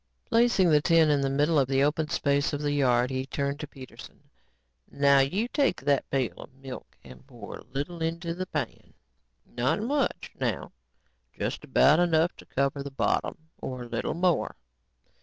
Placing the tin in the middle of the open spaces of the yard, he turned to Peterson. "Now you take that pail of milk and pour a little into the pan. Not much, now, just about enough to cover the bottom or a little more."